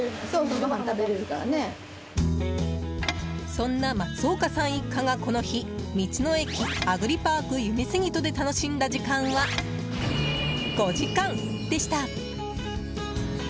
そんな松岡さん一家がこの日道の駅アグリパークゆめすぎとで楽しんだ時間は、５時間でした。